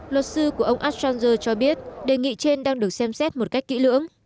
luật sư của ông assanger cho biết đề nghị trên đang được xem xét một cách kỹ lưỡng